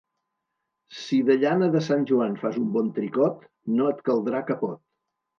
Si de llana de Sant Joan fas ton tricot, no et caldrà capot.